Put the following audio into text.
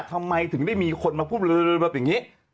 ทำไมถึงได้มีคนมาพูดลือแบบอย่างนี้